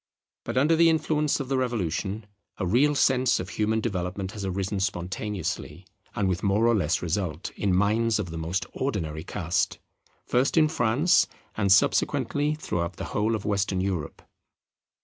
But under the influence of the Revolution a real sense of human development has arisen spontaneously and with more or less result, in minds of the most ordinary cast; first in France, and subsequently throughout the whole of Western Europe.